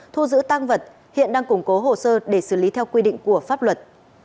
thu giữ tăng vật hiện đang củng cố hồ sơ để xử lý theo quy định của pháp luật